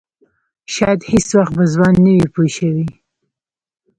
شاید هېڅ وخت به ځوان نه وي پوه شوې!.